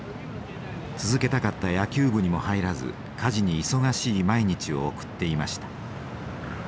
続けたかった野球部にも入らず家事に忙しい毎日を送っていました。